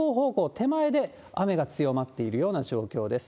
手前で、雨が強まっているような状況です。